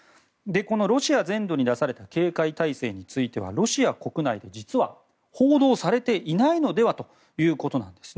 このロシア全土に出された警戒体制についてはロシア国内で実は報道されていないのではということなんです。